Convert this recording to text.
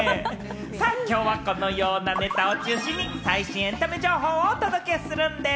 さあ、きょうはこんなネタを中心に最新エンタメ情報をお届けするんでぃす。